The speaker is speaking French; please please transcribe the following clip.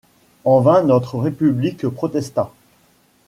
En vain notre République protesta!...